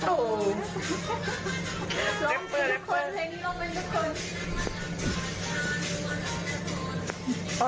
โอ้โห